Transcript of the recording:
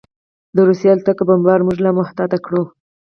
د روسي الوتکو بمبار موږ لا محتاط کړي وو